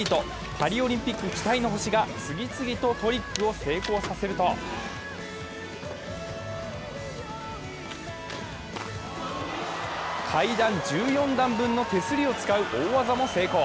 パリオリンピック期待の星が次々とトリックを成功させると階段１４段分の手すりを使う大技も成功。